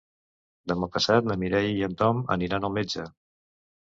Demà passat na Mireia i en Tom aniran al metge.